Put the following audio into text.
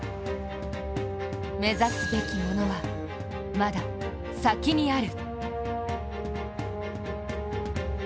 目指すべきものは、まだ先にある。